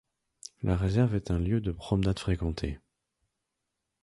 La réserve est un lieu de promenade fréquenté.